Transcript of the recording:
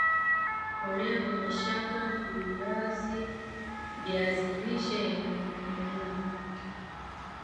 mbolea kwenye shamba la viazi lishe ni muhimu